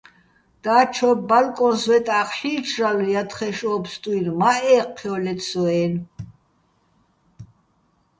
დაჩო ბალკოჼ სვეტახ ჰ̦ი́რჩრალო̆ ჲათხეშ ო ფსტუ́ჲნო̆: მა ე́ჴჴჲო́ლეთ სო-აჲნო̆.